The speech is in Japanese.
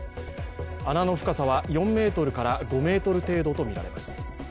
穴の深さは４ｍから５ｍ程度とみられます。